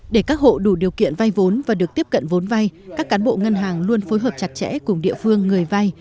để các hộ đủ điều kiện vay vốn và được tiếp cận vốn vay các cán bộ ngân hàng luôn phối hợp chặt chẽ cùng địa phương người vay